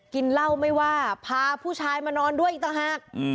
กินเหล้าไม่ว่าพาผู้ชายมานอนด้วยอีกต่างหาก